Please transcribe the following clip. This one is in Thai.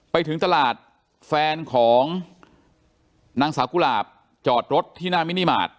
ไปถึงตลาดแฟนของนางสาวกุหลาบจอดรถที่หน้ามินิมาตร